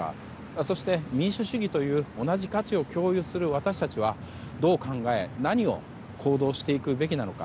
そして、民主主義という同じ価値を共有する私たちは何を考え、どのように行動していくべきなのか。